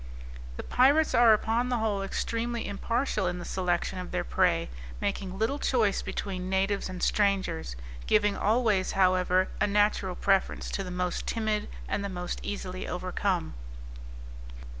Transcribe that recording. The pirates are upon the whole extremely impartial in the selection of their prey, making little choice between natives and strangers, giving always, however, a natural preference to the most timid, and the most easily overcome.